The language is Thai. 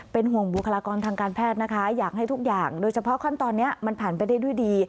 เป็นห่วงบุคลากรทางการแพทย์นะคะอยากให้ทุกอย่างโดยเฉพาะขั้นตอนนี้มันผ่านไปได้ด้วยดี